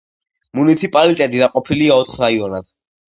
მუნიციპალიტეტი დაყოფილია ოთხ რაიონად.